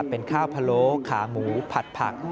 เป็นข้าวพะโล้ขาหมูผัดผัก